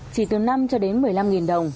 chỉ từ năm cho đến một mươi năm đồng